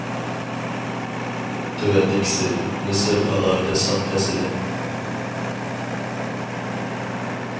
تۆۋەندىكىسى : مىسىر ئالاھىدە ساپ ھەسىلى.